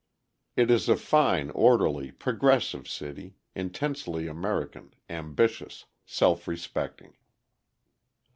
It is a fine, orderly, progressive city intensely American, ambitious, self respecting.